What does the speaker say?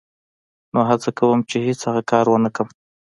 نو هڅه کوم چې هېڅ هغه کار و نه کړم.